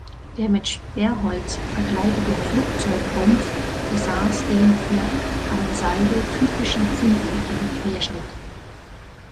Der mit Sperrholz verkleidete Flugzeugrumpf besaß den für Ansaldo typischen fünfeckigen Querschnitt.